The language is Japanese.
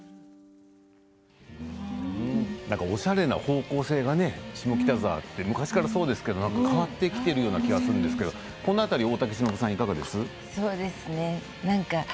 おしゃれな方向性が下北沢って昔からそうですけれど変わってきているような気がしますけどこの辺は、いかがですか大竹さん。